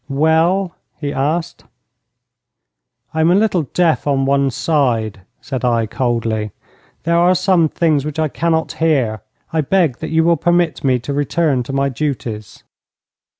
'Well?' he asked. 'I am a little deaf on one side,' said I, coldly. 'There are some things which I cannot hear. I beg that you will permit me to return to my duties.'